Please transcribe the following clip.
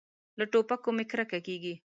له ټوپکو مې کرکه کېږي.